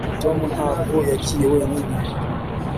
tom ntabwo yagiye wenyine